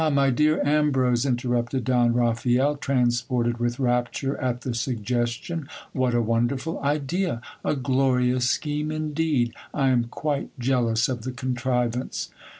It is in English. my dear Ambrose, interrupted Don Raphael, transported with rapture at the suggestion, what a wonderful idea ! a glorious scheme indeed ! I am quite jealous of the contrivance.